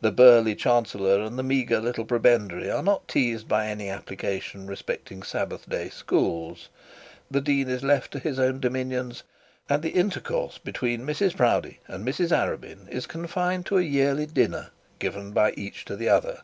The burly chancellor and the meagre little prebendary are not teased by any application respecting Sabbath day schools, the dean is left to his own dominions, and the intercourse between Mrs Proudie and Mrs Arabin is confined to a yearly dinner by each to the other.